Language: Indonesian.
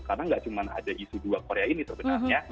karena nggak cuma ada isu dua korea ini tuh benarnya